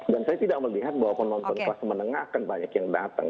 dan saya tidak melihat bahwa penonton kelas menengah akan banyak yang datang